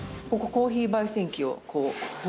コーヒー焙煎機？